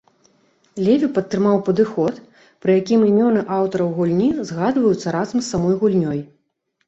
Леві падтрымаў падыход, пры якім імёны аўтараў гульні згадваюцца разам з самой гульнёй.